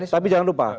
tapi jangan lupa